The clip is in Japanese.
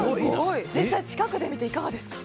実際、近くで見ていかがですか。